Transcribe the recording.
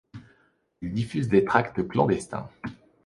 Il diffuse des tracts clandestins.